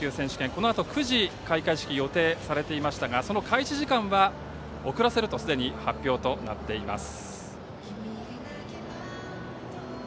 このあと９時に開会式が予定されていましたがその開始時間は遅らせるとすでに発表となっています。